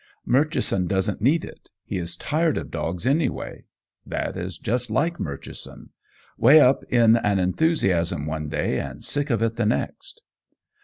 Murchison doesn't need it. He is tired of dogs, anyway. That is just like Murchison. 'Way up in an enthusiasm one day and sick of it the next.